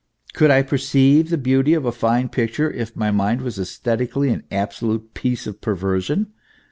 Could I perceive the beauty of a fine picture, if my mind were resthetically an absolute piece of perversion